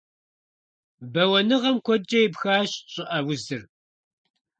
Бэуэныгъэм куэдкӀэ епхащ щӀыӀэ узыр.